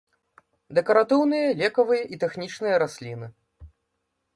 Дэкаратыўныя, лекавыя і тэхнічныя расліны.